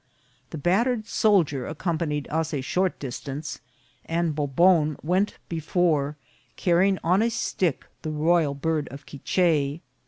The bat tered soldier accompanied us a short distance, and Bobon went before, carrying on a stick the royal bird of Quiche.